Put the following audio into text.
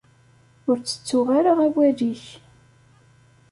Ur ttettuɣ ara awal-ik.